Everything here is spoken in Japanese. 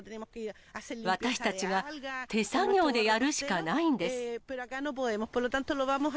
私たちが手作業でやるしかないんです。